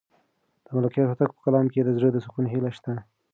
د ملکیار هوتک په کلام کې د زړه د سکون هیله شته.